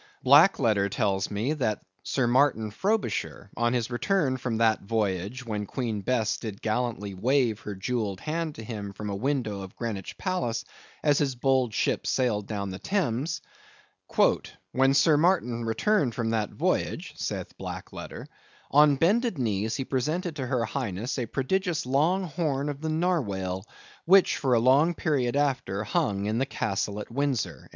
Black Letter tells me that Sir Martin Frobisher on his return from that voyage, when Queen Bess did gallantly wave her jewelled hand to him from a window of Greenwich Palace, as his bold ship sailed down the Thames; "when Sir Martin returned from that voyage," saith Black Letter, "on bended knees he presented to her highness a prodigious long horn of the Narwhale, which for a long period after hung in the castle at Windsor."